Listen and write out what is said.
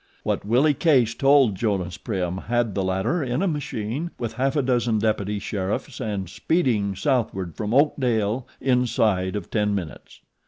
What Willie Case told Jonas Prim had the latter in a machine, with half a dozen deputy sheriffs and speeding southward from Oakdale inside of ten minutes.